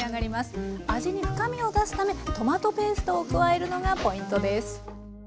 味に深みを出すためトマトペーストを加えるのがポイントです。